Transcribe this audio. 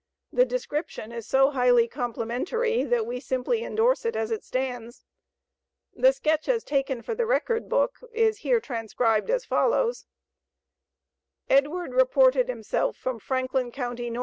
The description is so highly complimentary, that we simply endorse it as it stands. The sketch as taken for the record book is here transcribed as follows: "Edward reported himself from Franklin county, N.C.